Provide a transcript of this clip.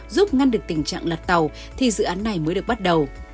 giúp ngăn được tình trạng lật tàu thì dự án này mới được bắt đầu